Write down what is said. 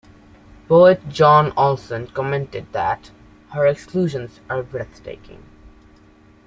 Poet John Olson commented that "her exclusions are breathtaking".